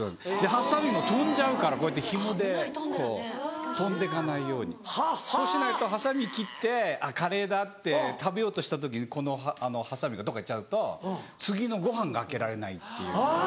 ハサミも飛んじゃうからこうやってヒモでこう飛んでかないようにそうしないとハサミ切って「カレーだ」って食べようとした時にこのハサミがどっかいっちゃうと次のご飯が開けられないっていう。